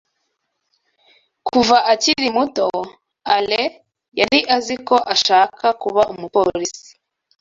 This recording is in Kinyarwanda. Kuva akiri muto, Alain yari azi ko ashaka kuba umupolisi.